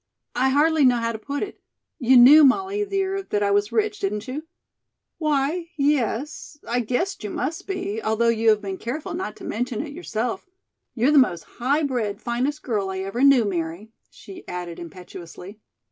"I hardly know how to put it. You knew, Molly, dear, that I was rich, didn't you?" "Why, yes; I guessed you must be, although you have been careful not to mention it yourself. You're the most high bred, finest girl I ever knew, Mary," she added impetuously.